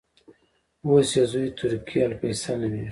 اوس یې زوې ترکي الفیصل نومېږي.